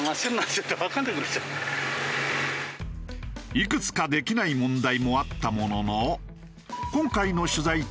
いくつかできない問題もあったものの今回の取材中